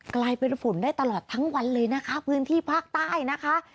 กลายเป็นฝนได้ตลอดทั้งวันเลยนะคะพื้นที่ภาคใต้นะคะ